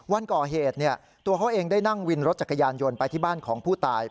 วันก่อเหตุตัวเขาเองได้นั่งวินรถจักรยานยนต์ไปที่บ้านของผู้ตาย